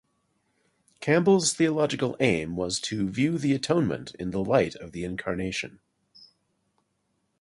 Campbell's theological aim was to view the Atonement in the light of the Incarnation.